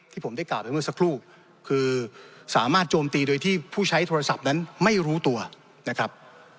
ผมได้กล่าวไปเมื่อสักครู่คือสามารถโจมตีโดยที่ผู้ใช้โทรศัพท์นั้นไม่รู้ตัวนะครับ